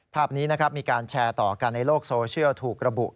ภาพนี้นะครับมีการแชร์ต่อกันในโลกโซเชียลถูกระบุ